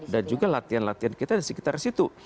dan juga latihan latihan kita di sekitar situ